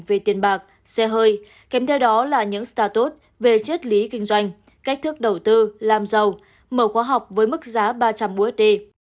về tiền bạc xe hơi kèm theo đó là những startude về chất lý kinh doanh cách thức đầu tư làm giàu mở khóa học với mức giá ba trăm linh usd